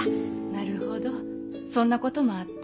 なるほどそんなこともあった。